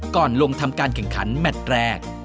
ก่อนลงทำการแข่งขันแมทแรก